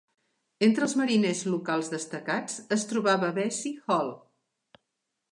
Entre els mariners locals destacats es trobava Bessie Hall.